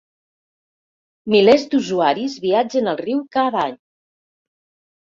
Milers d'usuaris viatgen al riu cada any.